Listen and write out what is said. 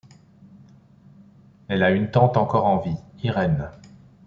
Elle a une tante encore en vie, Irène.